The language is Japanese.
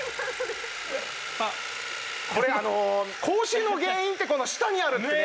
これ口臭の原因って舌にあるってね